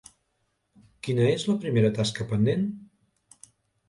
Quina és la primera tasca pendent?